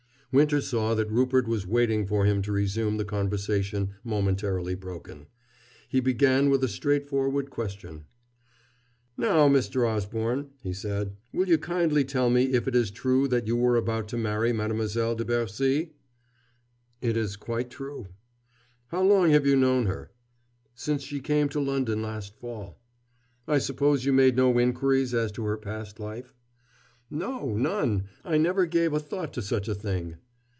Winter saw that Rupert was waiting for him to resume the conversation momentarily broken. He began with a straightforward question. "Now, Mr. Osborne," he said, "will you kindly tell me if it is true that you were about to marry Mademoiselle de Bercy?" "It is quite true." "How long have you known her?" "Since she came to London last fall." "I suppose you made no inquiries as to her past life?" "No, none. I never gave a thought to such a thing."